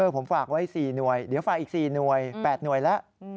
ผมฝากไว้๔หน่วยเดี๋ยวฝากอีก๔หน่วย๘หน่วยแล้ว